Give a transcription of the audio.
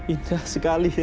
indah sekali ya